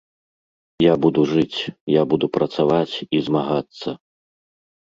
Я буду жыць, я буду працаваць і змагацца!